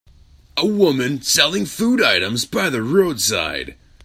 A woman selling food items by the roadside.